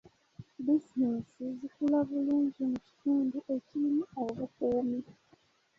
Bizinensi zikula bulungi mu kitundu ekirimu obukuumi.